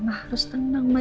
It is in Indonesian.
mamah harus tenang mak